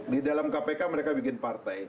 di dalam kpk mereka bikin partai